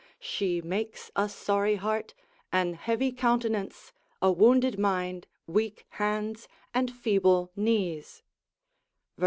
She makes a sorry heart, an heavy countenance, a wounded mind, weak hands, and feeble knees, vers.